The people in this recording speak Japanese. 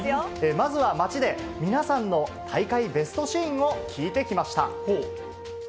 まずは街で、皆さんの大会ベストシーンを聞いてきました。